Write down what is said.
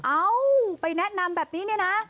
เอ้าไปแนะนำแบบนี้เนี่ยนะ